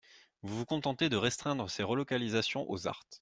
Vous vous contentez de restreindre ces relocalisations aux ZART.